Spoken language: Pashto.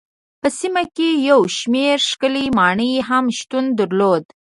په سیمه کې یو شمېر ښکلې ماڼۍ هم شتون درلود.